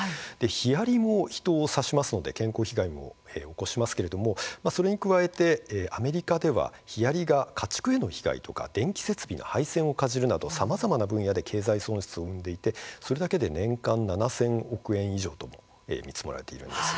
ヒアリも人を刺しますので健康被害を起こしますがそれに加えてアメリカではヒアリが家畜への被害や電気設備の配線をかじるなどさまざまな分野で経済損失を生んでいて年間７０００億円以上とも見積もられているんです。